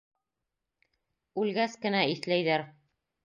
Үлгәс кенә иҫләйҙәр.